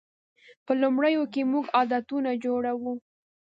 په لومړیو کې موږ عادتونه جوړوو.